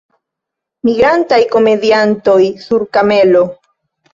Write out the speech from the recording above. Migrantaj komediantoj sur kamelo.